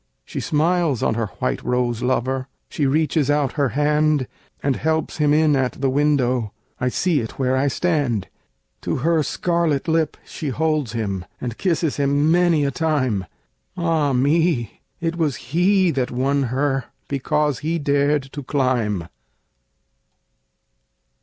She smiles on her white rose lover, She reaches out her hand And helps him in at the window I see it where I stand! To her scarlet lip she holds him, And kisses him many a time Ah, me! it was he that won her Because he dared to climb!